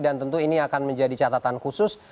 dan tentu ini akan menjadi catatan khusus